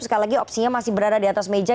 sekali lagi opsinya masih berada di atas meja